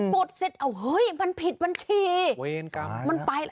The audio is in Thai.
กดเสร็จห้ยมันผิดบัญชี